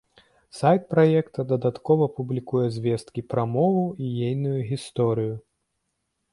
Сайт праекта дадаткова публікуе звесткі пра мову і ейную гісторыю.